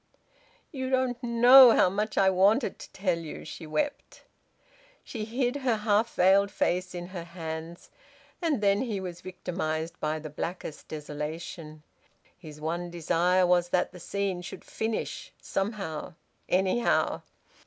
"You don't know how much I wanted to tell you!" she wept. She hid her half veiled face in her hands. And then he was victimised by the blackest desolation. His one desire was that the scene should finish, somehow, anyhow.